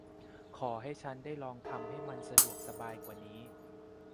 ขอให้ฉันได้ลองทำให้มันสะดวกสบายกว่านี้